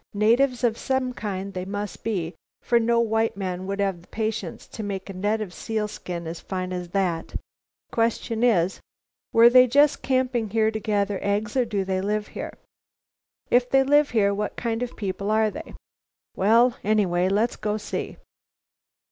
Natives of some kind, they must be, for no white man would have the patience to make a net of sealskin as fine as that. Question is, were they just camping here to gather eggs or do they live here? If they live here, what kind of people are they? Well, anyway, let's go see."